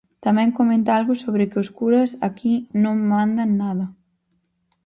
Tamén comenta algo sobre que os curas, aquí, non mandan nada.